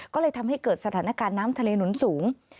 ก็เลยทำให้เกิดสถานการณ์น้ำทะเลหนุนสูง